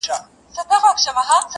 که د سپینو اوبو جام وي ستا له لاسه,